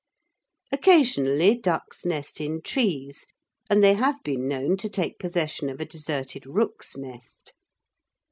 Occasionally ducks nest in trees and they have been known to take possession of a deserted rook's nest.